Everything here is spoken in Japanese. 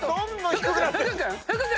福君？